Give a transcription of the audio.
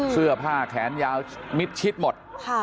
เสื้อผ้าแขนยาวมิดชิดหมด